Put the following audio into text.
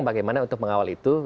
bagaimana untuk mengawal itu